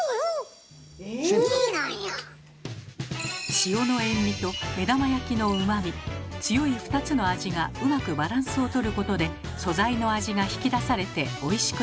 塩の塩味と目玉焼きのうまみ強い２つの味がうまくバランスを取ることで素材の味が引き出されておいしくなるそうです。